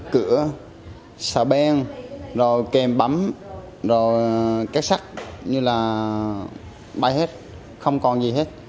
cửa sà beng rồi kèm bấm rồi két sắt như là bay hết không còn gì hết